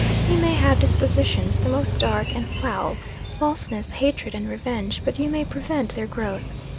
He may have dispositions the most dark and foul falseness, hatred and revenge; but you may prevent their growth.